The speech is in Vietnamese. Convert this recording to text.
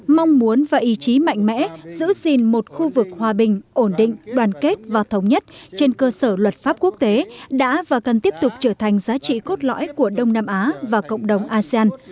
mong muốn và ý chí mạnh mẽ giữ gìn một khu vực hòa bình ổn định đoàn kết và thống nhất trên cơ sở luật pháp quốc tế đã và cần tiếp tục trở thành giá trị cốt lõi của đông nam á và cộng đồng asean